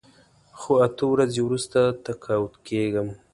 خو اته ورځې وروسته تقاعد کېږم.